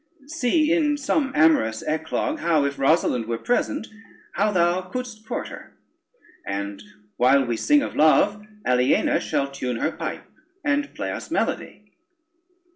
See in some amorous eclogue, how if Rosalynde were present, how thou couldst court her; and while we sing of love, Aliena shall tune her pipe and play us melody."